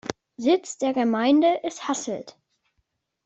Sitz der Gemeinde ist Hasselt.